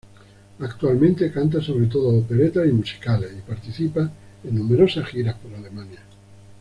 Actualmente canta sobre todo operetas y musicales y participa en numerosas giras por Alemania.